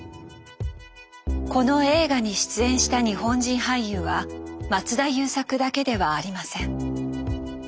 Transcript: この映画に出演した日本人俳優は松田優作だけではありません。